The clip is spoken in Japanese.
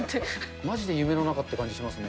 まじで夢の中って感じしますね。